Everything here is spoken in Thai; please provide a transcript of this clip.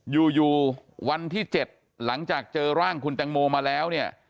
อยู่วันที่๗หลังจากเจอร่างคุณแตงโมมาแล้วเนี่ย